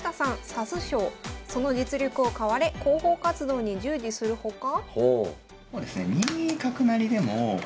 指す将その実力を買われ広報活動に従事するほか。